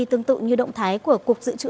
tương tự như động thái của cuộc dự trữ